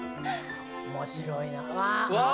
面白いなあ！